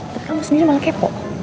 tapi kamu sendiri malah kepo